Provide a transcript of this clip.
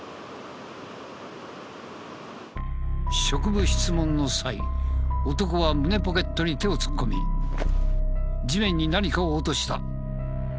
職務質問の際男は胸ポケットに手を突っ込み地面に何かを落とした。